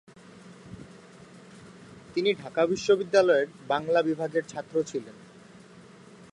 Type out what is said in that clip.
তিনি ঢাকা বিশ্ববিদ্যালয়ের বাংলা বিভাগের ছাত্র ছিলেন।